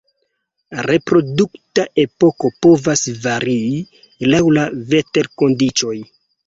Reprodukta epoko povas varii laŭ la veterkondiĉoj.